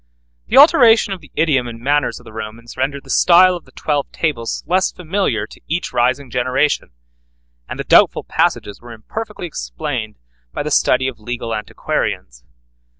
The alteration of the idiom and manners of the Romans rendered the style of the Twelve Tables less familiar to each rising generation, and the doubtful passages were imperfectly explained by the study of legal antiquarians.